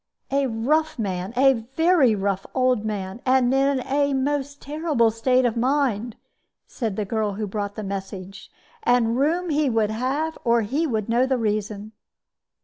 "A rough man, a very rough old man, and in a most terrible state of mind," said the girl who brought the message; "and room he would have, or he would know the reason."